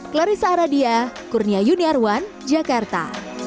clarissa aradia kurnia yuniarwan jakarta